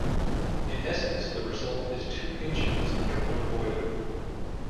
In essence, the result is two engines under one boiler.